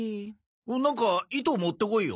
なんか糸持ってこいよ。